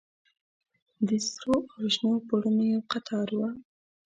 د سرو او شنو پوړونو يو قطار و.